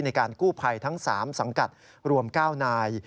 ในการกู้ภัยทั้ง๓สังกัดรวม๙นาย